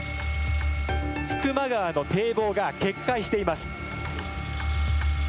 千曲川の堤防が決壊しています。